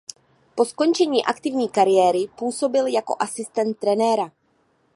Po skončení aktivní kariéry působil jako asistent trenéra.